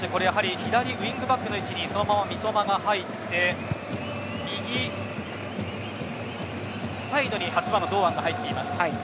左ウィングバックの位置にそのまま三笘が入って右サイドに８番の堂安が入っています。